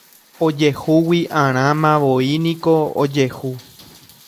Ojehugui'arãmavoíniko ojehu